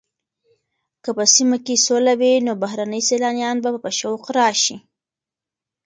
که په سیمه کې سوله وي نو بهرني سېلانیان به په شوق راشي.